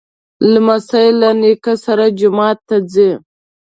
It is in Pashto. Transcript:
لمسی له نیکه سره جومات ته ځي.